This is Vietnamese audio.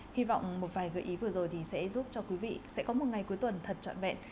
hy vọng một vài gợi ý vừa rồi thì sẽ giúp cho quý vị sẽ có một ngày cuối tuần thật trọn vẹn